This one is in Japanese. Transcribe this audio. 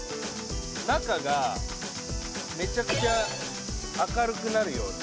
中がめちゃくちゃ明るくなるように。